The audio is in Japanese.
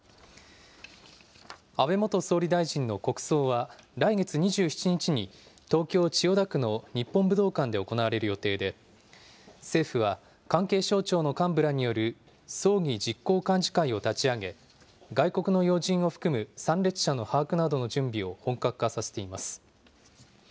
安倍元総理大臣の国葬は来月２７日に、東京・千代田区の日本武道館で行われる予定で、政府は、関係省庁の幹部らによる葬儀実行幹事会を立ち上げ、外国の要人を含む参列者の把握などの準備を本格化させています。